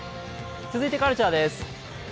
続いてカルチャーです。